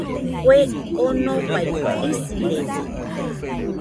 Kue onofai isirede